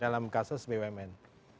dalam kasus bumn